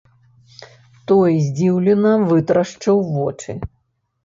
Той здзіўлена вытрашчыў вочы.